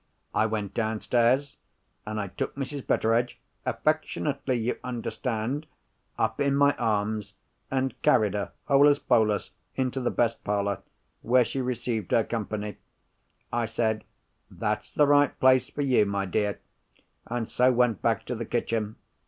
I went downstairs, and I took Mrs. Betteredge—affectionately, you understand—up in my arms, and carried her, holus bolus, into the best parlour where she received her company. I said 'That's the right place for you, my dear,' and so went back to the kitchen.